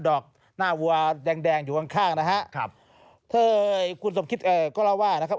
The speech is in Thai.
ดอกหน้าวัวแดงอยู่ข้างนะครับครับครับ